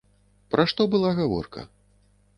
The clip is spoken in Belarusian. Пра што была гаворка?